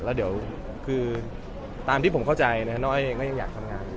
แล้วเดี๋ยวคือตามที่ผมเข้าใจน้องอ้อยเองก็ยังอยากทำงาน